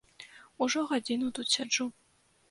Ужо гадзіну тут сяджу.